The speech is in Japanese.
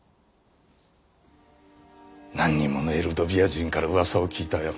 何人ものエルドビア人から噂を聞いたよ。